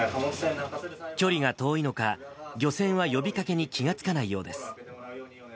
距離が遠いのか、漁船は呼びかけに気が付かないようです。